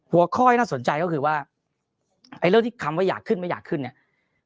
หัวข้อที่น่าสนใจก็คือว่าไอ้เรื่องที่คำว่าอยากขึ้นไม่อยากขึ้นเนี่ย